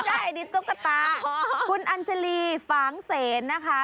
ไม่ใช่เหรออันนี้ตุ๊กตาคุณอันเจลีฟางเซนนะคะ